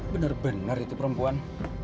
bener bener itu perempuan